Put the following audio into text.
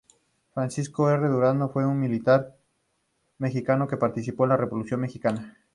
Francisco R. Durazo fue un militar mexicano que participó en la Revolución mexicana.